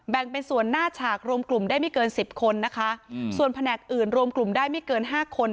เป็นส่วนหน้าฉากรวมกลุ่มได้ไม่เกินสิบคนนะคะส่วนแผนกอื่นรวมกลุ่มได้ไม่เกินห้าคน